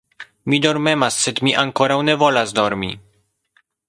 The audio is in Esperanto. Mi dormemas, sed mi ankoraŭ ne volas dormi.